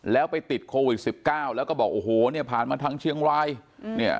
แล้วไปติดโควิด๑๙แล้วก็บอกโอ้โหนี่ผ่านมาทั้งเชียงไวน์